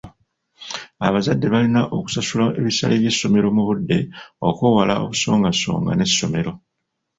Abazadde balina okusasula ebisale by'essomerro mu budde okwewala obusongasonga n'essomero.